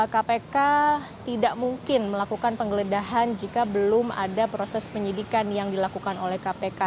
kpk tidak mungkin melakukan penggeledahan jika belum ada proses penyidikan yang dilakukan oleh kpk